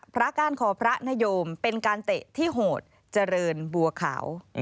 ก้านคอพระนโยมเป็นการเตะที่โหดเจริญบัวขาว